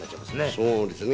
そうですね。